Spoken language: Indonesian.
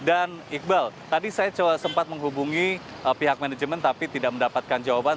dan iqbal tadi saya sempat menghubungi pihak manajemen tapi tidak mendapatkan jawaban